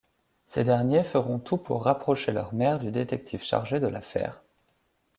Ces derniers feront tout pour rapprocher leur mère du détective chargé de l'affaire.